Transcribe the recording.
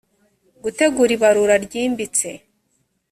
gutegura ibarura ryimbitse